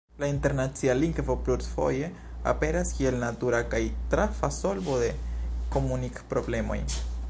La internacia lingvo plurfoje aperas kiel natura kaj trafa solvo de komunik-problemoj.